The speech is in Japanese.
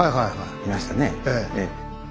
見ましたね。